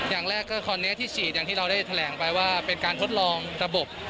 อย่างแรกก็คราวนี้ที่ฉีดอย่างที่เราได้แถลงไปว่าเป็นการทดลองระบบ